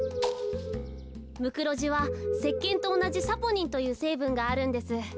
ムクロジはせっけんとおなじサポニンというせいぶんがあるんです。